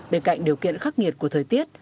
bên cạnh điều kiện khắc nghiệt của thời tiết